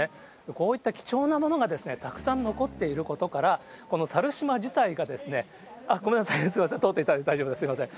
こういった貴重なものがたくさん残っていることから、この猿島自体が、ごめんなさい、通っていただいて大丈夫です、すみません。